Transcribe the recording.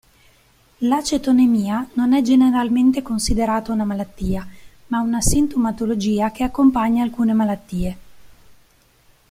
L'acetonemia non è generalmente considerata una malattia, ma una sintomatologia che accompagna alcune malattie.